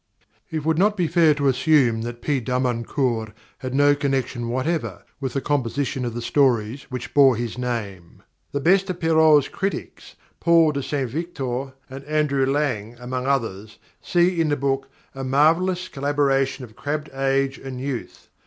_ _It would not be fair to assume that P. Darmancour had no connection whatever with the composition of the stories which bore his name. The best of Perrault's critics, Paul de St Victor and Andrew Lang among others, see in the book a marvellous collaboration of crabbed age and youth.